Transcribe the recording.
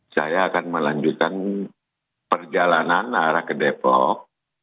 saya akan melanjutkan perjalanan arah ke depok